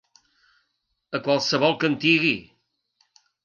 A qualsevol que en tigui.